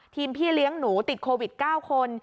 พี่เลี้ยงหนูติดโควิด๙คน